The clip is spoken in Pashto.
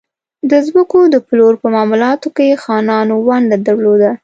د ځمکو د پلور په معاملاتو کې خانانو ونډه درلوده.